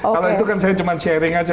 kalau itu kan saya cuma sharing aja